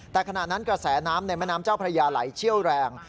แต่ขณะนั้นกระแสน้ำในแม่น้ำเจ้าพระยาไหลเชี่ยวแรง